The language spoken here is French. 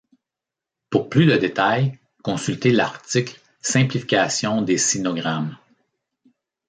Pour plus de détails, consulter l'article Simplification des sinogrammes.